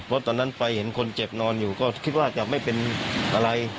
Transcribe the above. เพราะตอนนั้นไปเห็นคนเจ็บนอนอยู่ก็คิดว่าจะไม่เป็นอะไร